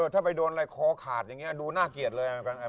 ถ้าไปโดนอะไรคอขาดอย่างนี้ดูน่าเกลียดเลย